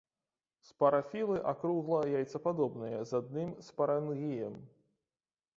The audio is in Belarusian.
Спарафілы акругла-яйцападобныя, з адным спарангіем.